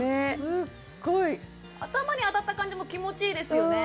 頭に当たった感じも気持ちいいですよね